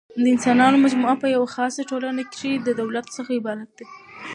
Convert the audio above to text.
د انسانانو مجموعه په یوه خاصه ټولنه کښي د دولت څخه عبارت ده.